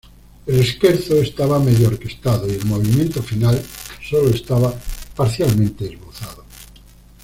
El Scherzo estaba medio orquestado, y el movimiento final sólo estaba parcialmente esbozado.